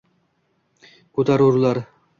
Ko’tarurlar